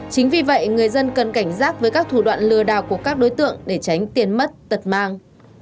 chính vì vậy người dân cần cảnh giác với các thủ đoạn lừa đảo của các đối tượng để tránh tiền mất tật mang